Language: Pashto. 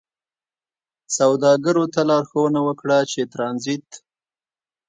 سوداګرو ته لارښوونه وکړه چې ترانزیت